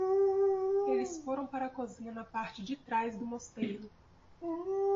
Eles foram para a cozinha na parte de trás do mosteiro.